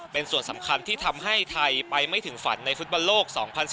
เป็นส่วนสำคัญที่ทำให้ไทยไปไม่ถึงฝันในฟุตบอลโลก๒๐๑๙